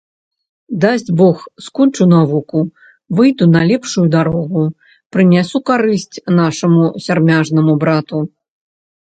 Дасць бог, скончу навуку, выйду на лепшую дарогу, прынясу карысць нашаму сярмяжнаму брату.